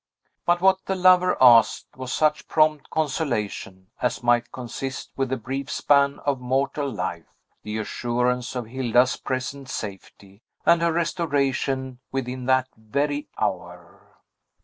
But what the lover asked was such prompt consolation as might consist with the brief span of mortal life; the assurance of Hilda's present safety, and her restoration within that very hour.